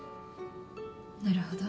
なるほど。